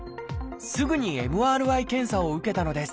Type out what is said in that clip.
すぐにＭＲＩ検査を受けたのです。